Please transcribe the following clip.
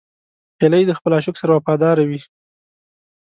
هیلۍ د خپل عاشق سره وفاداره وي